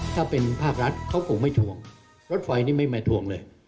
ถ้าเป็นภาครัฐเขาคงไม่ทวงรถไฟนี่ไม่มาทวงเลย